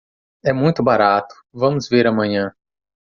É muito barato, vamos ver amanhã.